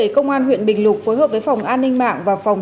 công an huyện bình lục phối hợp với phòng an ninh mạng